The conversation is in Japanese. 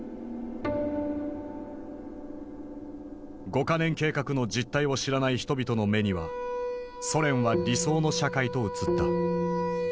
五か年計画の実態を知らない人々の目にはソ連は理想の社会と映った。